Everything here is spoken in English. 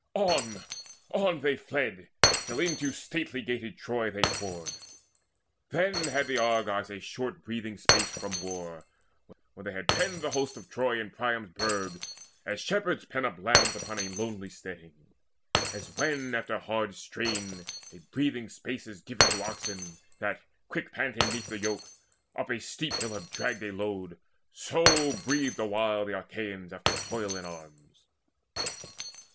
On, on they fled Till into stately gated Troy they poured. Then had the Argives a short breathing space From war, when they had penned the hosts of Troy In Priam's burg, as shepherds pen up lambs Upon a lonely steading. And, as when After hard strain, a breathing space is given To oxen that, quick panting 'neath the yoke, Up a steep hill have dragged a load, so breathed Awhile the Achaeans after toil in arms.